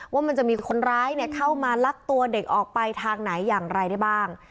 ว่ามันจะมีคนร้ายเข้ามาลักตัวเด็กออกไปทางไหนอย่างไรได้บ้าง